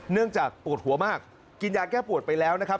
เนื่องจากปวดหัวมากกินยาแก้ปวดไปแล้วนะครับ